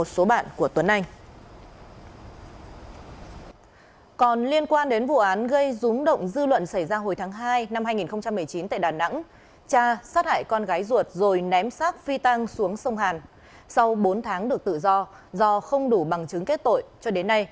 sau bốn tháng được tự do do không đủ bằng chứng kết tội cho đến nay